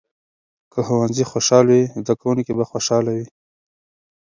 که ښوونځي خوشال وي، زده کوونکي به خوشحاله وي.